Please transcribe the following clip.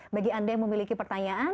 bagi anda yang memiliki pertanyaan